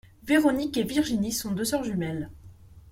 Véronique et Virginie sont deux sœurs jumelles.